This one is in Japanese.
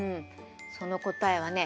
その答えはね